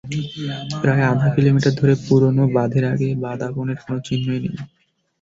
প্রায় আধা কিলোমিটার ধরে পুরোনো বাঁধের আগে বাদাবনের কোনো চিহ্নই নেই।